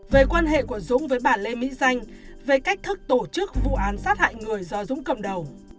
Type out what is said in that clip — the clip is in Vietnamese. về quan hệ của dũng với bà lê mỹ danh về cách thức tổ chức vụ án sát hại người do dũng cầm đầu